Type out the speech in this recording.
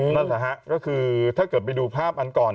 นั่นแหละฮะก็คือถ้าเกิดไปดูภาพอันก่อน